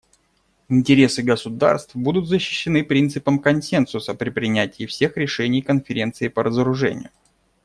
Интересы государств будут защищены принципом консенсуса при принятии всех решений Конференцией по разоружению.